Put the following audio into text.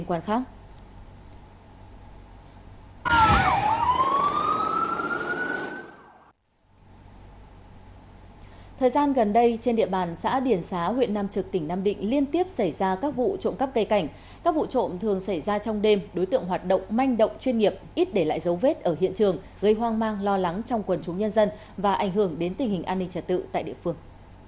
trong thời gian gần đây trên địa bàn xã điển xá huyện nam trực tỉnh nam định liên tiếp xảy ra các vụ trộm cắp cây cảnh các vụ trộm thường xảy ra trong đêm đối tượng hoạt động manh động chuyên nghiệp ít để lại dấu vết ở hiện trường gây hoang mang lo lắng trong quần chúng nhân dân và ảnh hưởng đến tình hình an ninh trật tự tại địa phương